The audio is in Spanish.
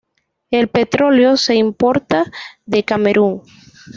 El petróleo se importa de Camerún.